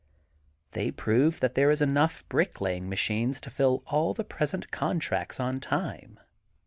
They prove that there are enough bricklaying machines to fill all the preseiit contracts on time.